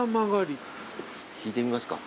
聞いてみますか。